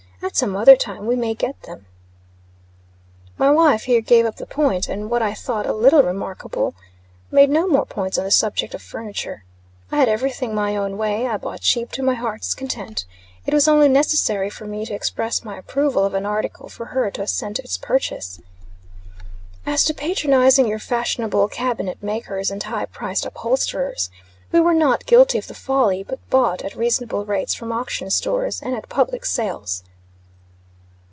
At some other time we may get them." My wife here gave up the point, and, what I thought a little remarkable, made no more points on the subject of furniture. I had every thing my own way; I bought cheap to my heart's content. It was only necessary for me to express my approval of an article, for her to assent to its purchase. As to patronizing your fashionable cabinet makers and high priced upholsterers, we were not guilty of the folly, but bought at reasonable rates from auction stores and at public sales.